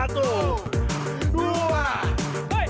kembalikan ke langit